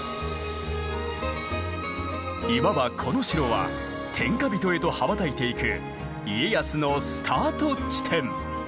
いわばこの城は天下人へと羽ばたいていく家康のスタート地点。